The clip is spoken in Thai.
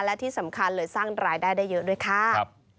และที่สำคัญเลยสร้างรายได้ได้เยอะด้วยค่ะ